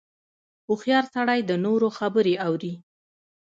• هوښیار سړی د نورو خبرې اوري.